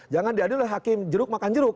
jangan diadil oleh hakim jeruk makan jeruk